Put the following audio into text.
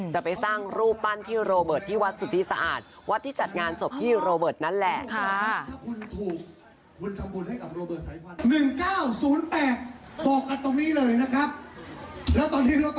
จะไปสร้างรูปปั้นพี่โรเบิร์ตที่วัดสุธิสะอาดวัดที่จัดงานศพพี่โรเบิร์ตนั่นแหละ